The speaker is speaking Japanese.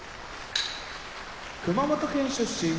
熊本県出身